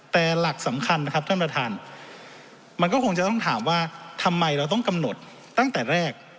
แต่หลักสำคัญนะครับท่านประธานมันก็คงจะต้องถามว่าทำไมเราต้องกำหนดตั้งแต่แรก